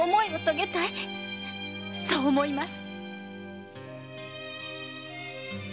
そう思います。